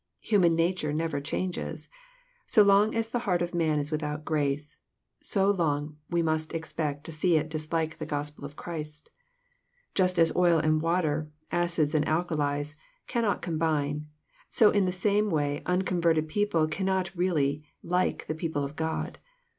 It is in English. Human nature never changes. So long as the heart of man is without grace, so long we must expect to see it dislike the Gospel of Christ. Just as oil and water, acids and alkalies, cannot combine, so in the same way uncon verted people cannot really like the people of God.